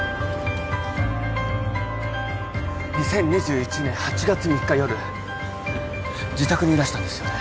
２０２１年８月３日夜自宅にいらしたんですよね？